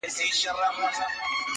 دا دلیل د امتیاز نه سي کېدلای!!